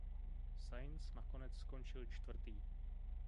Sainz nakonec skončil čtvrtý.